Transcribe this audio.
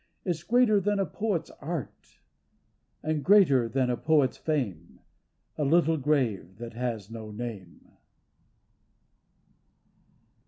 Is greater than a poet's art. And greater than a poet's fame A little grave that has no name.